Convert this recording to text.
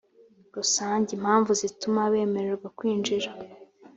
rusange impamvu zituma bemererwa kwinjira